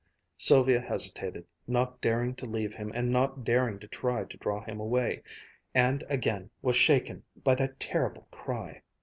Sylvia hesitated, not daring to leave him and not daring to try to draw him away; and again was shaken by that terrible cry.